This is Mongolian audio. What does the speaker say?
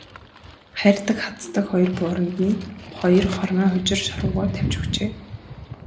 Хайрдаг хаздаг хоёр бууранд нь хоёр хормой хужир шорвогоо тавьж өгчээ.